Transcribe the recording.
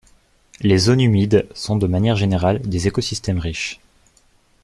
Les zones humides sont de manière générale des écosystèmes riches.